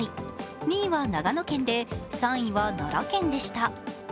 ２位は長野県で３位は奈良県でした。